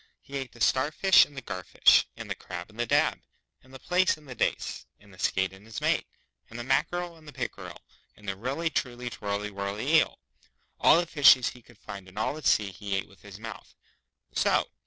He ate the starfish and the garfish, and the crab and the dab, and the plaice and the dace, and the skate and his mate, and the mackereel and the pickereel, and the really truly twirly whirly eel. All the fishes he could find in all the sea he ate with his mouth so!